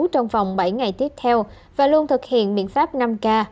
trong vòng bảy ngày tiếp theo và luôn thực hiện biện pháp năm k